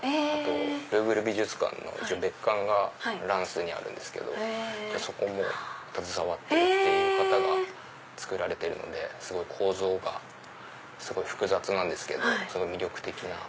ルーヴル美術館の別館がランスにあるんですけどそこも携わってるっていう方が造られてるので構造が複雑なんですけどすごい魅力的な。